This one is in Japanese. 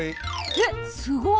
えっすごっ！